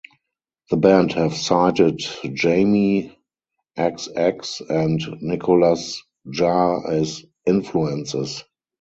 The band have cited Jamie xx and Nicolas Jaar as influences.